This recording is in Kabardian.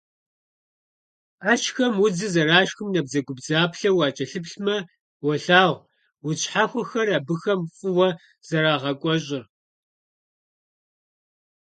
Ӏэщхэм удзыр, зэрашхым набдзэгубдзаплъэу укӀэлъыплъмэ, уолъагъу удз щхьэхуэхэр абыхэм фӀыуэ зэрагъэкӀуэщӀыр.